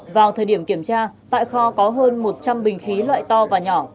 vào thời điểm kiểm tra tại kho có hơn một trăm linh bình khí loại to và nhỏ